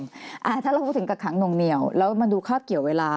ถ้าเราพูดถึงกักขังหน่วงเหนียวแล้วมันดูคาบเกี่ยวเวลา